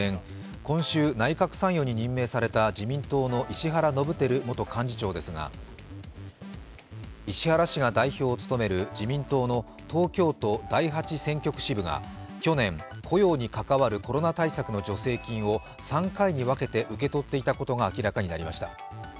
今週、内閣参与に任命された自民党の石原伸晃元幹事長ですが、石原氏が代表を務める自民党の東京都第八選挙区支部が去年、雇用に関わるコロナ対策の助成金を３回に分けて受け取っていたことが明らかにななりました。